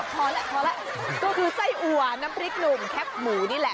พอแล้วพอแล้วก็คือไส้อัวน้ำพริกหนุ่มแคบหมูนี่แหละ